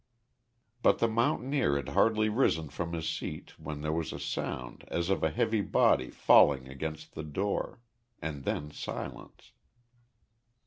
But the mountaineer had hardly risen from his seat when there was a sound as of a heavy body falling against the door and then silence.